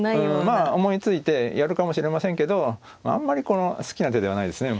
まあ思いついてやるかもしれませんけどあんまり好きな手ではないですね。